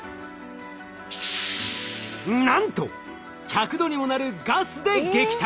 なんと１００℃にもなるガスで撃退！